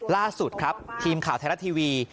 ล่าสุดครับทีมข่าวไทยรัฐทีวี